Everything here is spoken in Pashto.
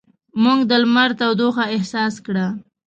موږ د لمر تودوخه احساس کړه.